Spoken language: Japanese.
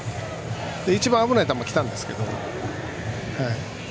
一番危ない球が来たんですけど。